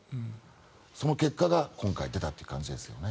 その結果が今回出たという感じですね。